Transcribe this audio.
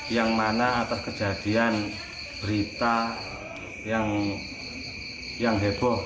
yang mana atas kejadian berita yang heboh